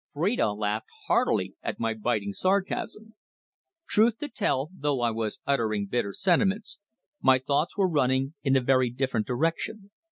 Phrida laughed heartily at my biting sarcasm. Truth to tell, though I was uttering bitter sentiments, my thoughts were running in a very different direction.